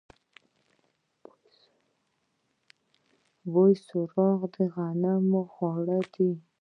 بوسراغ د غنمو خواړه دي.